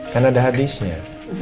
kan ada hadisnya